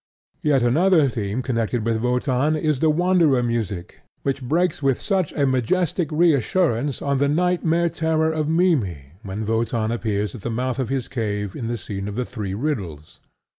Yet another theme connected with Wotan is the Wanderer music which breaks with such a majestic reassurance on the nightmare terror of Mimmy when Wotan appears at the mouth of his cave in the scene of the three riddles.